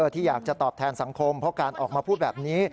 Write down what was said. ที่อยากจะตอบแทนสังคมเพราะการออกมาพูดแบบนี้